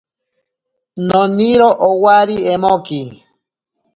Noniro owari emoki.